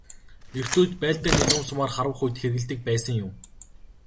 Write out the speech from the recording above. Эрт үед байлдааны нум сумаар харвах үед хэрэглэдэг байсан юм.